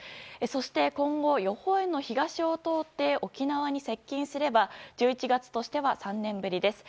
そして今後、予報円の東を通って沖縄に接近すれば１１月としては３年ぶりです。